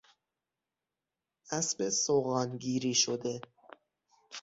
اسب سوغانگیری شده